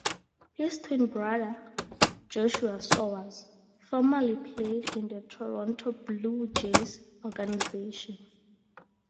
His twin brother, Joshua Sowers, formerly played in the Toronto Blue Jays organization.